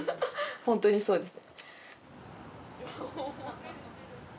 ホントにそうですね・